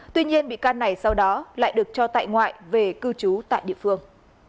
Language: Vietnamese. tuy nhiên bị can này sau đó lại được cho tại ngoại về cư trú tại địa phương